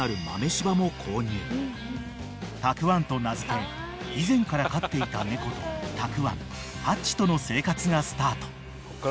［たくわんと名付け以前から飼っていた猫とたくわんハッチとの生活がスタート］